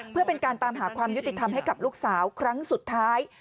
เพื่อเป็นการตามหาความยุติธรรมให้กับลูกสาวครั้งสุดท้าย